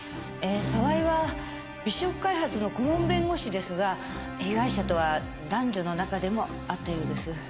澤井は美食開発の顧問弁護士ですが被害者とは男女の仲でもあったようです。